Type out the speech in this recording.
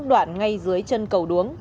đoạn ngay dưới chân cầu đuống